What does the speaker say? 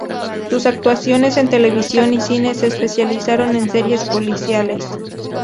Sus actuaciones en televisión y cine se especializaron en series policiales.